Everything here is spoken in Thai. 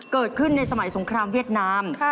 เกิดขึ้นในสมัยสงครามเวียดนาม